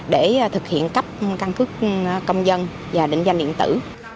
để thực hiện cấp căn cước công dân và định danh điện tử